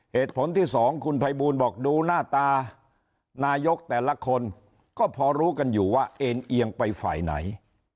เหตุผลที่สองคุณภัยบูลบอกดูหน้าตานายกแต่ละคนก็พอรู้กันอยู่ว่าเอ็นเอียงไปฝ่ายไหน